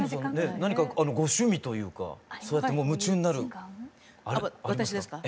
何かご趣味というかそうやってもう夢中になるありますか？